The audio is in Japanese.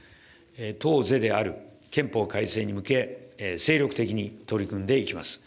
党是である憲法改正に向け、精力的に取り組んでいきます。